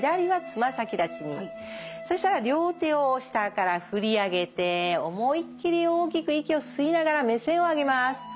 そしたら両手を下から振り上げて思いっきり大きく息を吸いながら目線を上げます。